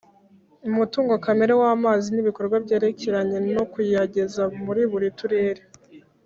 Umutungo kamere w ‘amazi n’ ibikorwa byerekeranye nokuyageza muri buri turere